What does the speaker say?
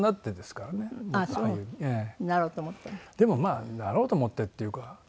でもまあなろうと思ってっていうか